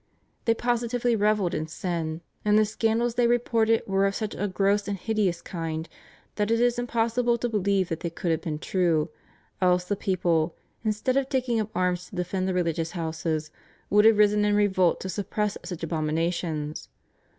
They positively revelled in sin, and the scandals they reported were of such a gross and hideous kind that it is impossible to believe that they could have been true, else the people, instead of taking up arms to defend the religious houses, would have risen in revolt to suppress such abominations.